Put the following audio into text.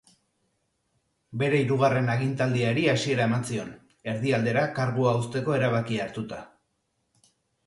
Bere hirugarren agintaldiari hasiera eman zion, erdialdera kargua uzteko erabakia hartuta.